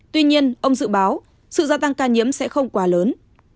tuy nhiên ông dự báo sự gia tăng ca nhiễm sẽ không quá lớn